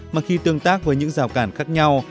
mà khi tương tác với những rào cản khác nhau